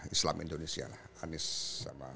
islam indonesia lah anies sama